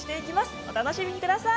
お楽しみください。